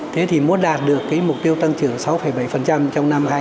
thế thì muốn đạt được mục tiêu tăng trưởng sáu bảy trong năm